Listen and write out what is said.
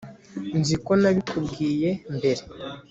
nzi ko nabikubwiye mbere